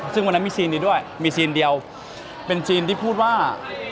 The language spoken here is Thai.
ซึ่งวันนั้นมีซีนนี้ด้วยมีซีนเดียวเป็นซีนที่พูดว่า